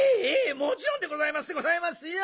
もちろんでございますでございますよ！